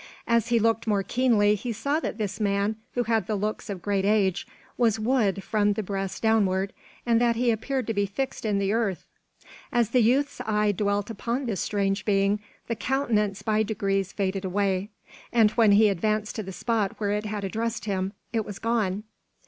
As he looked more keenly, he saw that this man, who had the looks of great age, was wood from the breast downward, and that he appeared to be fixed in the earth. As the youth's eye dwelt upon this strange being, the countenance by degrees faded away, and when he advanced to the spot whence it had addressed him, it was gone.